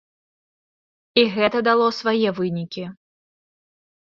І гэта дало свае вынікі.